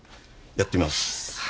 やってみます。